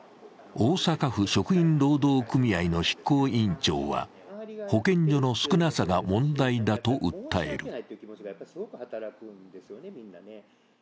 大阪府職員労働組合の執行委員長は、保健所の少なさが問題だと訴える。